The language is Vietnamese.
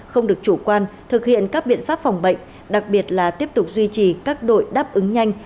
không được chủ quan thực hiện các biện pháp phòng bệnh đặc biệt là tiếp tục duy trì các đội đáp ứng nhanh